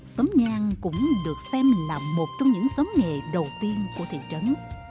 xóm nhan cũng được xem là một trong những xóm nghề đầu tiên của thị trấn